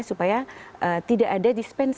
supaya tidak ada dispensasi